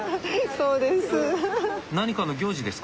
そうです。